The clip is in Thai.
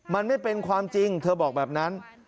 มันไม่เป็นความจริงเธอบอกแบบนั้น